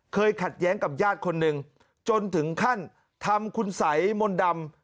ขัดแย้งกับญาติคนหนึ่งจนถึงขั้นทำคุณสัยมนต์ดำ